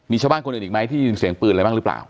มีชาวบ้านคนอื่นอีกไหมที่ยินเสียงปืนอะไรบ้างหรือเปล่า